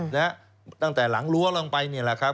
นะฮะตั้งแต่หลังรั้วลงไปนี่แหละครับ